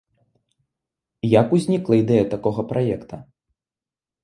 Як узнікла ідэя такога праекта?